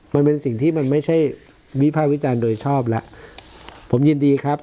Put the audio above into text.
มันเป็นสิ่งที่มันไม่ใช่วิภาควิจารณ์โดยชอบแล้วผมยินดีครับ